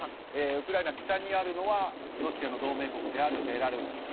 その侵攻なんですがウクライナ北にあるのはロシアの同盟国であるベラルーシ。